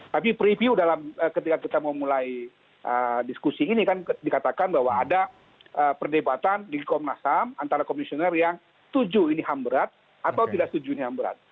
tapi preview ketika kita memulai diskusi ini kan dikatakan bahwa ada perdebatan di komnas ham antara komisioner yang setuju ini ham berat atau tidak setuju ini ham berat